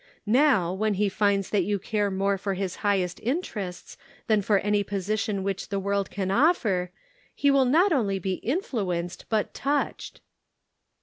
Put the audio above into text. Now when he finds that you care more for his highest interests than for any position which the world can offer, he will not only be influenced, but touched."